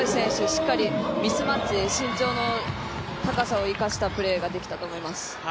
しっかりミスマッチ身長の高さを生かしたプレーができたと思います。